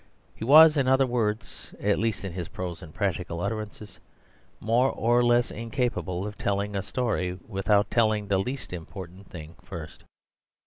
He was in other words, at least in his prose and practical utterances, more or less incapable of telling a story without telling the least important thing first.